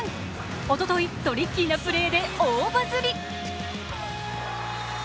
おととい、トリッキーなプレーで大バズり。